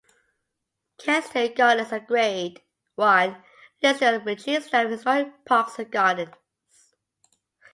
Kensington Gardens are Grade One listed on the Register of Historic Parks and Gardens.